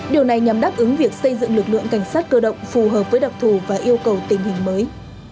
điều này nhằm đáp ứng việc xây dựng lực lượng cảnh sát cơ động phù hợp với đặc thù và yêu cầu tình hình mới